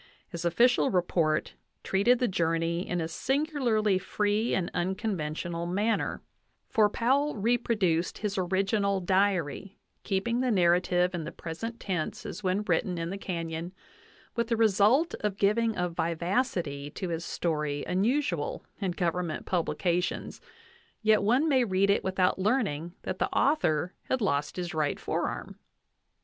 His official report treated the journey in a singularly free and unconventional manner; for 17 NATIONAL ACADEMY BIOGRAPHICAL MEMOIRS VOL. VIII Powell reproduced his original diary, keeping the narrative in the present tense as when written in the canyon, with the result of giving a vivacity to his story unusual in government publi cations; yet one may read it without learning that the author had lost his right forearm